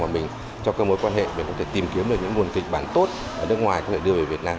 mình có thể tìm kiếm được những nguồn kịch bản tốt ở nước ngoài có thể đưa về việt nam